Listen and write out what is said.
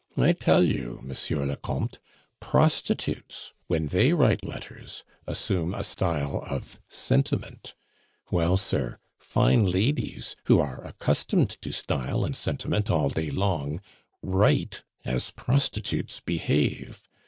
I tell you, Monsieur le Comte, prostitutes, when they write letters, assume a style of sentiment; well, sir, fine ladies, who are accustomed to style and sentiment all day long, write as prostitutes behave.